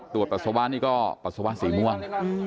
ปัสสาวะนี่ก็ปัสสาวะสีม่วง